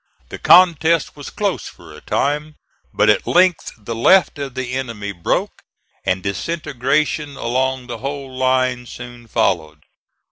The contest was close for a time, but at length the left of the enemy broke, and disintegration along the whole line soon followed.